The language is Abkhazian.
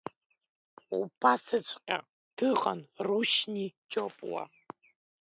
Убасҵәҟьа дыҟан Рушьни Џьопуа.